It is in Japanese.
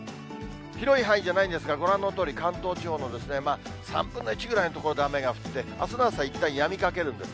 広い範囲じゃないんですが、ご覧のとおり、関東地方の３分の１ぐらいの所で雨が降って、あすの朝、いったんやみかけるんです。